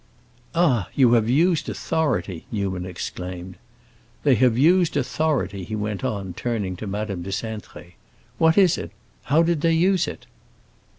"Ah, you have used authority," Newman exclaimed. "They have used authority," he went on, turning to Madame de Cintré. "What is it? how did they use it?"